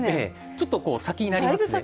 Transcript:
ちょっと先になりますね。